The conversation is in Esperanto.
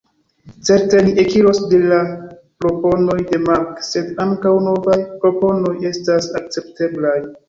Certe ni ekiros de la proponoj de Mark, sed ankaŭ novaj proponoj estas akcepteblaj.